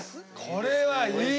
これはいい！